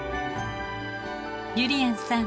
ゆりやんさん